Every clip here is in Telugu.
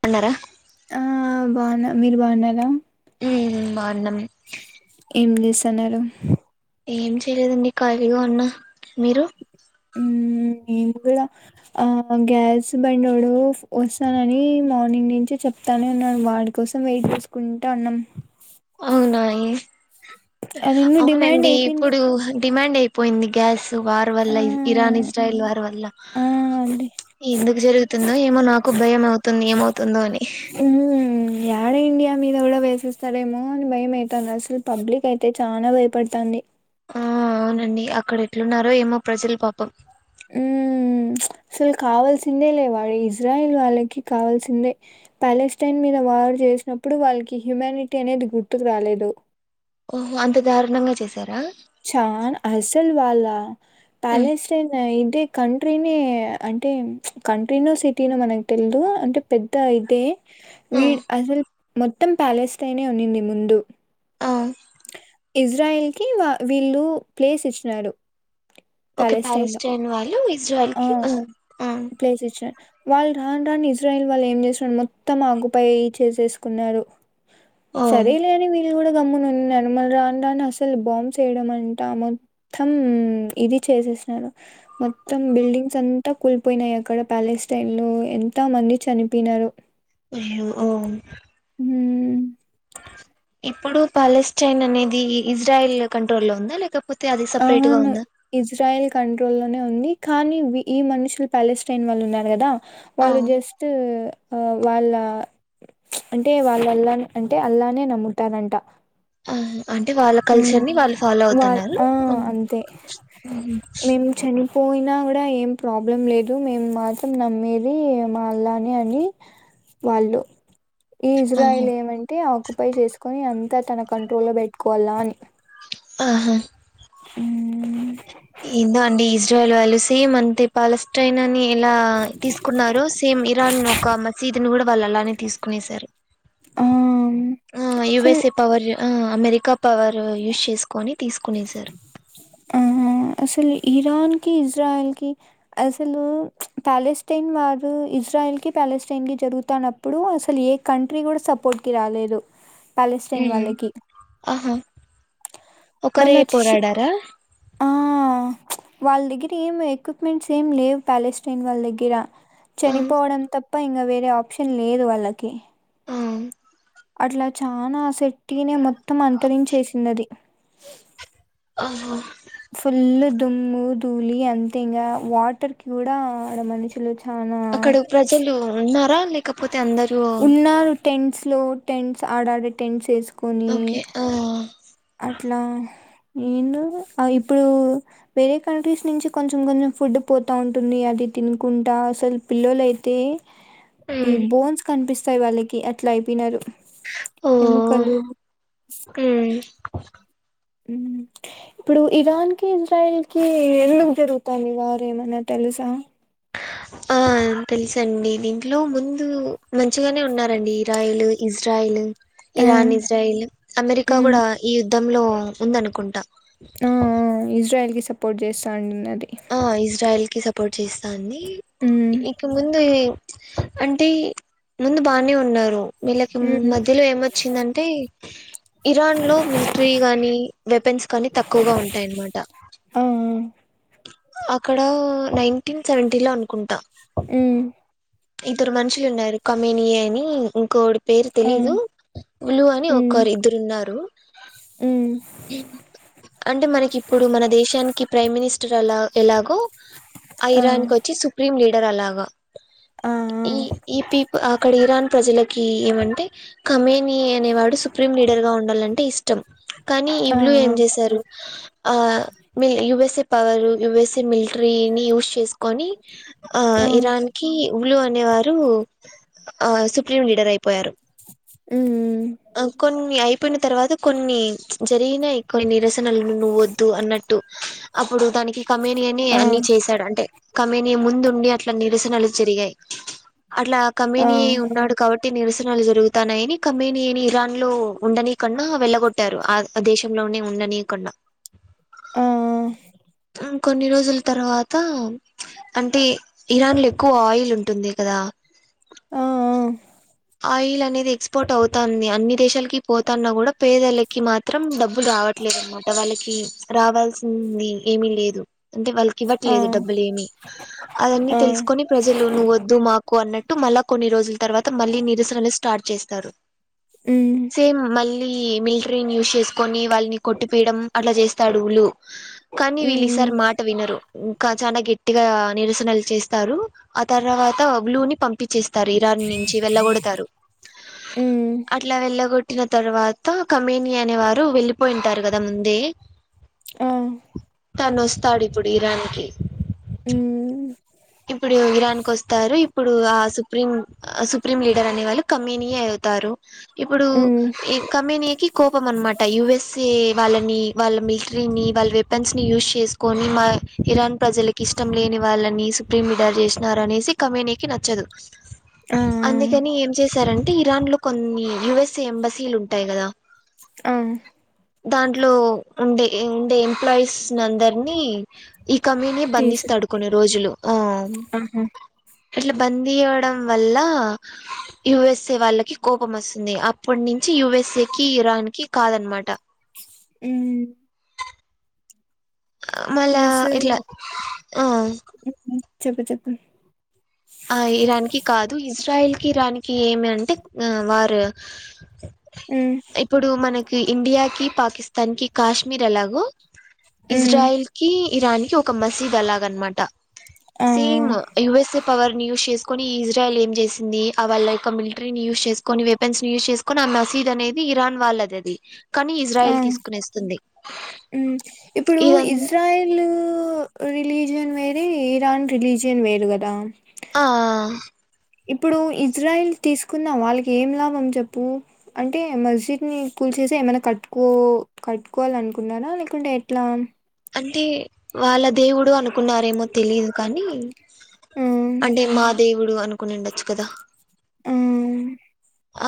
తిన్నార ఆ బాగున్న మీరు బాగున్నారా హుమ్ బాగున్నా అన్నం ఏం చేస్తున్నారు ఏం చేయలేదండి ఖాళీగా ఉన్న మీరు నేను కూడా ఆ గ్యాస్ బంండోడు వస్తానని మార్నింగ్ నుంచి చెప్తానే ఉన్నాను వాడి కోసం వెయిట్ చేసుకుంటా అన్నాం అవునాయి అదెందో డిమాండ్ అవునండి అయిపోయింది ఇప్పుడు డిమాండ్ అయిపోయింది గ్యాస్ వారు ఆ వల్ల ఇరాన్ ఇజ్రాయల్ వారు వల్ల ఆ అండి ఎందుకు జరుగుతుందో ఏమో నాకు భయం అవుతుంది ఏమవుతుందో అని మ్మ్. యాడ ఇండియా మీద కూడా వేసేస్తారేమో అని భయం అయితంది అసలు పబ్లిక్ అయితె చాలా భయపడతంది ఆ అవునండి అక్కడ ఎట్లున్నారో ఏమో ప్రజల పాపం ఉ అసలు కావాల్సిందే లే వాాలి ఇజ్రాయిల్ వాళ్ళకి కావల్సిందే ప్యాలెస్టైన్ మీద వారు చేసినప్పుడు వాళ్ళకి హ్యుమానిటీ అనేది గుర్తుకు రాలేదు ఓహో అంత దారుణంగా చేశారా వాళ ప్యాలెస్ ఇదే కంట్రీనే అంటే కంట్రీనో సిటీనో మనకు తెలిదు అంటే పెద్ద ఇదే వీడ్ అసలు మొత్తం ప్యాలెస్ తనే ఉన్నింది ముందు ఆ ఇజ్రాయల్ కి వా వీళ్ళు ప్లేస్ ఇచ్చినారు ఒక ప్యాలెస్టైన్‌లో. ప్యాలెస్టైన్ వాళ్ళు ఇ ఇస్రాయిల్ కి ఆ, ప్లేసిచ్చ వాళ్ళ రాన్ రాన్ ఇజ్రాయిల్ వాల్ల ఏం చేస్తుిన మొత్తం ఆగుపైయి చేసేసుకున్నారు ఓ సరేలేని వీన గమ్మున మళ్ళ రాను రాను అసలు బాంబ్స్ చేయడం అంటా మొత్తం ఇది చేసేసినారు మొత్తం బిల్డింగ్స్ అంతా కూలిపోయినాయి అక్కడ ప్యాలెస్టైన్ లో ఎంత మంది చనిపోయినారు అ్యో ఓ హ ఇప్పుడు పాలిచ్చైన్ అనేది ఇజ్రాయల్ కంట్రోల్లో ఉందా లేకపోతే అది సపరేట్ గా అవును ఉందా ఇజ్రాయల్ కంట్రోల్ లోనే ఉంది కానీ ఈ మనుషులు ప్యాలెస్టైన్ వాళ్ళు ఉన్నారు కదా ఆ వాళ్ళు జస్ట్ ఆ వాళ్ళ అంటే వాళ్ళల్లా అంటే అల్లానే నమ్ముతనంట ఆ అంటే వాళ్ళ కల్చర్ ని వాళ్ళు ఫాలో వాల్ అవుతన్నారు ఆ అంతే మేని పోయినా కూడా ఏం ప్రాబ్లం లేదు మేము మాత్రం నమ్మేది మాళాని అని వాళ్ళు ఈ ఆహా ఇజ్రాయిల్ ఏమంటె ఆక్యుపై చేసుకొని అంత తన కంట్రోల్లో లో పెట్టుకోవాలా అని ఆహా అ ఎందో అండి ఇజ్రాయల్ సేమ్ అంతే పాలెస్తటైన్ని ఎలా తీసుకున్నారు సేమ్ ఇరాన్ ఒక మసీదు ని కూడా వాళ్ళు అలానే తీసుకునేసారు ఆ ఆ యు అసలు ఎస్ ఏ పవర్ ఆ అమెరికా పవర్ యూస్ చేసుకొని తీసుకునేసారు ఆ అసలు ఇరాన్కి, ఇజ్రాయిల్కి, అసలు ప్యాలెస్టేన్ వారు ఇజ్రాయల్కి ప్యాలెస్టైన్ కీ జరుగుతున్నప్పుడు, అసలు ఏ కంట్రీ కూడా సపోర్ట్కి రాలేదు. ప్యాలస్టీన్ ఉమ్, వాళ్ళకి ఆహా ఒకరే మళ్ళచి పోరాడారా ఆ వాళ్ళ దగ్గర ఏం ఎక్విప్మెంట్స్ ఏమి లేవు ప్యాలెస్టైన్ వాళ్ళ దగ్గర ఆ చనిపోవడం తప్ ప్ప ఇంకా వేరే ఆప్షన్ లేదు వాళ్ళకి అ అట్లా చానా శెట్టినే మొత్తం అంతరించేసింది అది ఆహా ఫుల్ దుమ్ము ధూళి అంతే ఇంకా వాటర్ కి కూడా ఆడ మనుషులు చానా అక్కడ ప్రజలు ఉన్నా ఉన్న లేకపో తె అందరూ టెన్ట్స్ లో టెన్స్ ఆడ ఆడే టెన్ట్స్ వేసు ఓకే ఆ అట్లా ఏనుో ఇప్పుడు, వేరే కంట్రీస్ నుంచి కొంచెం కొంచెం ఫుడ్ పోతూ ఉంటుంది, అది తినుకుంటా అసలు పిల్లలైతే ఈ ఉమ్ బోన్స్ కనిపిస్ వస్తాయి వాళ్ళకి అట్లా అయిపోయినారు ఓ ఎముకలు మ్ మ్ ఇప్పుడు ఇరాన్ కి ఇజ్రాయల్ కి ఎందుకు జరుగుతాంది వార్ ఏమన్నా తెలుసా ఆ తెలుసండి దీంట్లో ముందు మంచిగానే ఉన్నారండి ఇస్రాయేల్ ఇస్రాయేల్ ఆ, ఇరాన్ ఇజ్రైల్ అమెరికా మ్మ్. కూడా ఈ యుద్ లో ఉందనుకుంటా ఆ ఇజ్రయల్ సొ సపోర్ట్ చేస్తాం ఇజ్రాయిల్కి స చేస్తాన్ని మ్మ్. ఇక ముందు అంటే ముందు బానే ఉన్నారు వీళ్ళకి మ్మ్. మధ్యలో ఏమొచ్చిందంటే ఇరాన్ లో మిలిటరీ గానీ వెపెన్స్ కానీ తక్కువగా ఉంటాయన్నమాట ఆ, ఆ, అక్కడ నైన్టీన్ సెవెంటీ లో అనుకుంటా మ్మ్. ఇద్దరు మనుషులు ఉన్నారు కమీనియే అని ఇంకో పేరు ఆ, తెలీదు పలు అని మ్మ్. ఒకరు ఇద్దరున్నారు మ్మ్. అంటే మనకి ఇప్పుడు మన దేశానికి ప్రైమ్ మినిస్టర్ అలా ఎలాగో ఆ, ఐరాన్ కు వచ్చి సుప్రీం లీడర్ ఉంటారు అలాగా ఆ, ఈ ఈ ప అక్కడ ఇరాన్ ప్రజలకి ఏమంటే కమీ మీ అనే వాడు సుప్రీం లీడర్ గా ఉండాలంటే ఇష్టం పు కానీ ఇ ఆ, బ్లు ఏం చేసారు ఆ మీ యుఎస్ఏ పవారు యుఎస్ఏ మిల్ట్రీనీ యూస్ చేసుకొని ఆ ఇరాన్ కి ఇలు అనే వారు ఆ సుప్రీం లీడర్ అయి మ్మ్. కొన్ని అయిపోయిన తర్వాత కొన్ని జరిగినా ఎక్ కొ నిరసనలను నువ్వ వద్దు అన్నట్టు ఇప్పుడు దానికి కమేనీ అని ఆ, అన్ని చేసాడు అంటే కమేనీ ముందు ఉండి అట్ల పస నలు చెరిగాయ్ అట్లా ఆ, కమనీ ఉన్నాడు కాబట్టి నిరసనలు జరుగుతాన్నాయని కమనీ అని ఇరాన్ లో ఉండనీ కన్నా వెళ్లగొట్టారు ఆ దేశంలోనే ఉండనీ కొండ ఆ కొన్ని రోజుల తర్వాత అంటే ఇరాన్ లో ఎక్కువ ఆయిల్ ఉంటుంది కదా ఆ ఆయిల్ అనేది ఎక్స్పోర్ట్ అవుతుంది అన్ని దేశాలకి పోతన్నా కూడా పేదలకి మాత్రం డబ్బులు రావట్లేదు అనమాట వాళ్ళకి రావాల్సింది ఏమీ లేదు అంటే వాళ్ళకి ఆ, ఆ, ఇవ్వట్లేదు డబ్బులు ఏమి అవన్నీ ఆ, తెలుసుకోని ప్రజలు నువ్వు వద్దు మాకు అన్నట్టు మల్ల కొన్ని రోజు తవాత మళ్ళీ నిరసలిస్ స్టార్ట్ చేస్తారు. మ్మ్. చే మల్ లీ మిలిటరింగ్ యూస్ చేసుకొని వాళ్ళని కొట్టి పీయడం అట్ల చేస్తాడు లు కానీ మ్మ్. వీళ్ళిసారి మాట వినరు. ఇంకా చానా గట్టిగా నిరసనలు చేస్తారు ఆ తర్వాత బ్లూని పంపించేస్ తరీరాన్ని వెళ్ళగొడతారు. మ్మ్. అట్ల వెల్ వెలగొట్టిన తర్వాత కమేని అనే వారు వెళ్ళిపోయింటారు కదా ముందే ఆ తనొస్తాడు ఇప్పుడు ఇరాన్కి హ్ ఇరాన్ కు వస్తారు ఇప్పుడు ఆ సుప్రీం సుప్రీం లీడర్ అనే వాళ్ళు కమ్మీనీయే అవుతారు ఇప్పుడు మ్మ్. కమ్యూనీకి కోపం అన్నమాట యుఎస్ఏ వాళ్ళని వాళ్ళ మీట్రింగ్ని వాళ్ళ వెపన్స్ని యూస్ చేసుకొని మా ఇరాన్ ప్రజలకి ఇష్టం లేని వాళ్ళని ప్రీమిడర్ చేసినారనే కమ్యూనీకి నచ్చదు. ఆ అందుకని ఏం చేస్ సార్ అంటే ఇరాన్లో కొన్ని యుఎస్ఏ ఎంబసీలు ఉంటాయి కదా అవు దాంట్లో ఉండే ఉండే పైస్నందరినీ ఈ కమ్యూని తీసా బంధిస్తాడు కొన్ని రోజులు ఆహా ఇట్ల బందీయ్యడం వల్ల యుఎస్ఏ వాళ్ళకి కోపం వస్తుంది అప్పట్నుంచి యుఎస్ఏ కి ఇరాన్ కి కాదనమాట మ్ మళ్ళా ప్లస్ ఇట్లా ఇం ఆ చెప్పు చెప్పు ఆ ఇరాన్కి కాదు ఇజ్రాయిల్ కి ఇరాన్కి ఏమి అంటే వారు హ్మ్ ఇప్పుడు మనక్ ఇండియాకిి పాకిస్తాన్కి కాశ్మీర్ ఎలాగో హ్మ్ ఇజ్రాయిల్కి.. ఇరాన్కి ఒక మసీద్ అలాగన్మాట ఆ సేమ్ యుఎస్ఎ పవర్ని యూస్ చేసుకొ ఈ ఇజ్రాయల్ ఏం చేసింది. అ వాళ్ళ యొక్క మిల్ట్రీనీ యూస్ చేస్ కొన్ని వెపన్స్ యూజ్ చేసుకుని ఆ మసీదు అనేది ఇరాన్ వాళ్ళది అది కానీ ఆ ఇజ్రాయల్ తీసుకునేస్తుంది ఇప్పుడు ఇదం ఇజ్రాయల్ రిలీజ రిన్ వేరే ఈరాన్ రిలీజియన్ వేరు కదా ఆ ఇప్పుడు ఇజ్రాయిల్ తీసుకున్న వాళ్ళకి ఏం లాభం చెప్పు అంటే మస్జిద్ని కూల్చేస్తే ఏమైనా కట్టుకో కట్టుకోవాల అనుకున్నారా లేకుంటే ఎట్లా అంటే వాళ్ళ దేవుడు అనుకున్నారేమో తెలీదు కానీ హ్మ్ అంటే మా దేవుడు అనుకుని ఉండొచ్చు కదా ఆ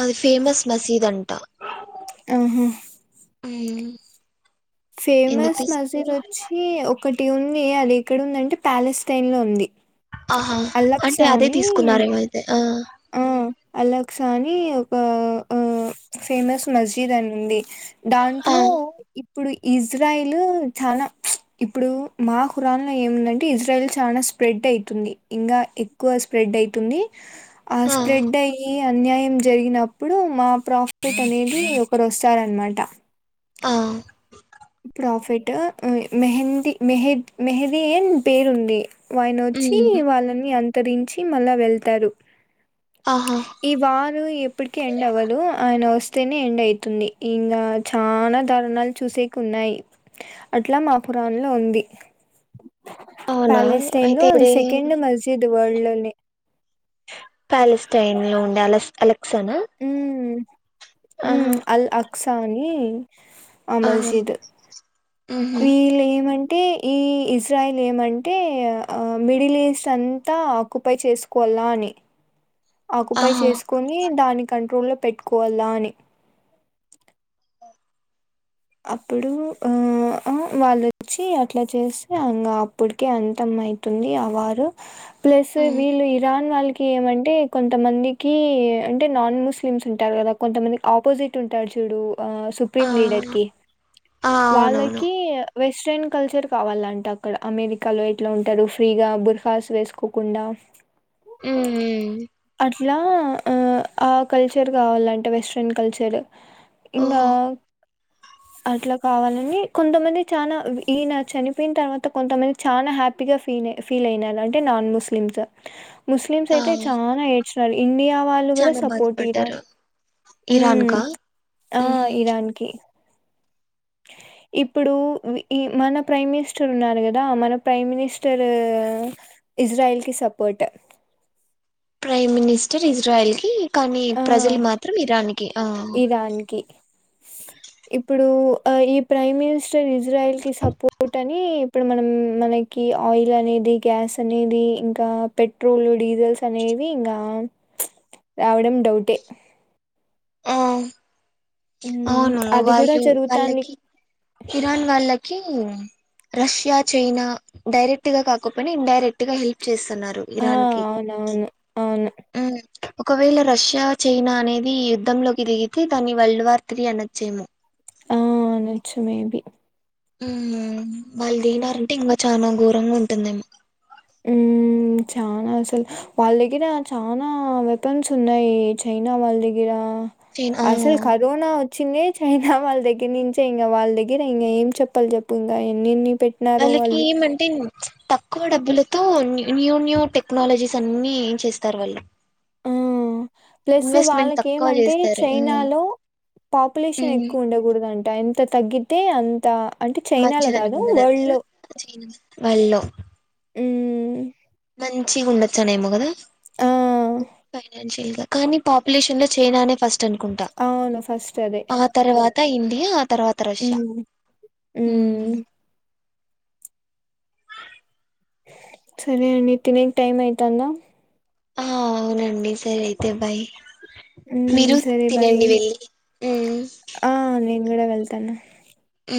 అది ఫేమస్ మసీద్ అంటా ఆహా అవు ఫేమస్ మజీద్ వచ్చి ఒక ఒకటి ఉంది అది ఇక్కడ ఉందంటే ప్యాలెస్తటైన్ లో ఉంది ఆహా అంటే అల్లక్సా అదే అని తీసుకున్నారేమైతే ఆ ఆ అలక్సా అని ఒక ఆ ఫేమస్ మస్జిద్ అనిండి ఆ దాంట్లో ఇప్పుడు ఇజ్రాయిల్ చాలా ఇప్పుడు మా ఖురాన్లో ఏముందంటే ఇజ్రాయిల్ చాలా స్ప్రెడ్ అవుతుంది ఇంకా ఎక్కువ స్ప్రెడ్ అయితుంది ఆ స్ప్రెడ్ అయ్య అన్యాయం జరిగినప్పుడు మా ప్రాఫట్ అనేది ఒకరు వస్తారనమాట ఆ ప్రాఫిట్ మెహందీ మెహ మెహదీ అన్ పేరుంది ఆయన వచ్చి మ్మ్ వాళ్ళని అంత ఉత్తరించి మళ్ళా వెళ్తారు ఆహా ఈ వారు ఎప్పటికి ఎండ్ అవ్వలు ఆయన వస్త ేనే ఎండ్ అవుతుంది ఇంకా చాలనా దారుణాలు చూసే న్నాయి అట్లా మా పురాణ లో ఉంది అవునా ప్యాలెస్టైన్ అయితే అది ఇప్పుడే సెకండ్ మస్జిద్ వరల్డ్ లోని ప్యాలెస్టైన్ లో ఉండే అల అలెక్సాండర్ హ ఉ అల్ అ నసాని అమర్ ఆహా చేదు మ్మ్ వీళ ఏమంటే అంటే ఈ ఇజ్రాయిల్ ఏమంటే మిడిల్ ఈస్ట్ అంతా ఆక్యుపైై చేసుకోవాలా అని ఆకుపైై ఆహా చేసుకొని దాన్ని కంట్రోల్ లో పెట్టుకోవాలా అని అప్పుడు ఆ వాళ్ళొచ్చి అట్లా చేస్తే అ అప్పటికే అంతం అవుతుంది ఆ వారు ప్లస్ మ్మ్ వీళ్ళు ఇరాన్ వాళ్ళకి ఏమంటే కొంతమందికి అంటే నాన్ ముస్లిమ్స్ ఉంటారు కదా కొంతమందికి ఆపోజిట్ ఉంటాారు చూడు ఆ సుప్రీం లీడర్ క ఆ అవునవును వాళ్ళకి వెస్ట్రన్ కల్చర్ కావాలంటే అక్కడ అమెరికాలో ఎట్లా ఉంటారు ఫ్రీగా బుర్ఖాస్ వేసుకోకుండా అ అట్లా ఆ కల్చర్ కావాలంటే వెస్ట్రన్ కల్చర్ ఇకా ఓహో అట్లా కావాలని కొంతమంది చాలా ఈయన చనిపోయిన తర్వాత కొంతమంది చనాా హ్యాపీగా ఫీల్ ఫీల్ అయినారు అంటే నాన్ ముస్లిమ్స్ ముస్లిమ్స్ అయితే ఆ చాలాడ్ ఇండియా వాళ్ళు కూడా చానా సపోర్ట్ ఇరాన్ బాధపడ్డారు ఇరాన్ కా ఆ ఉహు ఇరాన్ కి ఇప్పుడు మన ప్రైమ్ మినిస్టర్ ఉన్నారు కదా మన ప్రైమ్ మినిస్టర్ ఇజ్రాయల్ కి సపోర్ట్ ప్రైమ్ మినిస్టర్ ఇజ్రాయల్ కి కానీ ఆ ప్రజలు మాత్రం ఇరానికి ఆ ఇరాన్ కి ఇప్పుడు ఈ ప్రైమ్ మినిస్టర్ ఇస్ ఇజ్రాయిల్కి సపోర్ట్ అని ఇప్పుడు మనం మనకి ఆయిల్ అనేది గ్యాస్ అనేది ఇంకా పెట్రోల్ డీజిల్స్ అనేవి ఇంకా రావడం డౌటే ఆ మ్మ్ అవును అది కూడా వాళ్ళు జరుగుతాంది వాళ్ళకి ఇరాన్ వాళ్ళకి రష్యా చైనా డైరెక్ట్ గా కాకపోయినా ఇడైరెక్ట్ గా హెల్ప్ చేస్త స్తున్నారు ఆ ఇరాన్ కి అవునవును అవును ఒకవేళ రష్యా చైనా అనేది ధంలోకి దిగితే దాని వరల్డ్ వార్ తీ అనచ్చేమో ఆ అ నచ్చు మేబి వాళ్ళు తినారంటే ఇంకా చాలనా ఘోరంగా ఉంటుందేమ ఉ చానా అసలు వాళ్ళ దగ్గర చనా వెపన్స్ ఉన్నాయి చైనా వాళ్ళ దగ్గర చైనా అసలు ఆ కరోనా వచ్చిన చైనా వాళ్ళ దగ్గర నుంచే ఇంకా వాళ్ళ దగ్గర ఇంక ఏం చెప్పాలి చెప్పు ఇంకా ఎన్నిన్ని అలకి మంటేను తక్కువ డబ్బులతో న్యూ న్యూ టెక్నాలజీస్ అన్ని ఏ చేస్తారు వాళ్ళు ఆ ప్లస్ ఇన్వెస్ట్మెంట్ వాళ్ళకి తక్కువ ఏమంటే చేస్తారు చైనాలో పాపులేషన్ ఎక్కువ ఉండకూడదు అంటే ఎంత తగ్గతే అంత అంటే మంచి చైనాలో కాదు తనకుంది వరల్డ్ లో వెళ్ళం అ మంచి ఉండొచ్చానే ఏమో కదా ఆ ఫైనాన్షియ కానీ పాపులేషన్ లో చైనానే ఫస్ట్ అనుకుంటా అవును ఫస్ట్ అదే ఆ తర్వాత ఇండియా తర్వాత రష్యా మ్మ్ మ్మ్ సరే అండి తినంగ్ టైమ్ అయిత అందా ఆ అవునండి సరే అయితే బాయ్ మీరు సరే బాయ్ తినండి వెళ్ళి ఉమ్ ఆ నేను కూడా వెళ్తాను అ